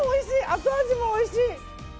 後味もおいしい！